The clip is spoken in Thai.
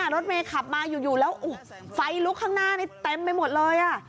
รถเมย์ขับมาอยู่แล้วไฟลุกข้างหน้านี้เต็มไปหมดเลย